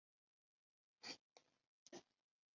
这些材料由于战乱而散失。